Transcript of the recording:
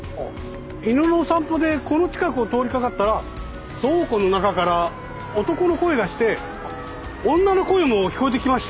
犬の散歩でこの近くを通りかかったら倉庫の中から男の声がして女の声も聞こえてきました。